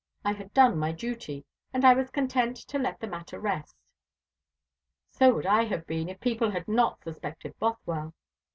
I had done my duty, and I was content to let the matter rest." "So would I have been, if people had not suspected Bothwell.